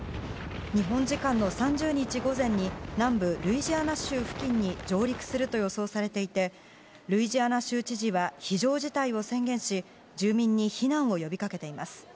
日本時間の３０日午前に南部ルイジアナ州付近に上陸すると予想されていてルイジアナ州知事は非常事態を宣言し住民に避難を呼びかけています。